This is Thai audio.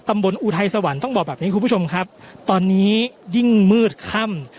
อุทัยสวรรค์ต้องบอกแบบนี้คุณผู้ชมครับตอนนี้ยิ่งมืดค่ำ